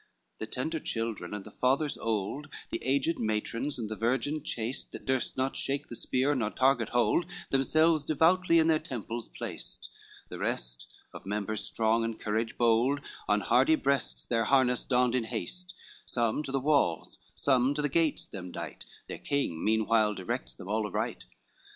XI The tender children, and the fathers old, The aged matrons, and the virgin chaste, That durst not shake the spear, nor target hold, Themselves devoutly in their temples placed; The rest, of members strong and courage bold, On hardy breasts their harness donned in haste, Some to the walls, some to the gates them dight, Their king meanwhile directs them all aright.